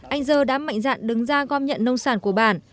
anh dơ đã mạnh dạn đứng ra gom nhận nông sản của bản